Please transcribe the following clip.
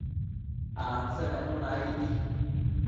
Ansemenuna aidi